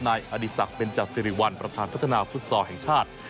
นายอดิษักร์เบนจาซิริวัลประธานพัฒนาฟุตซอร์แห่งชาติ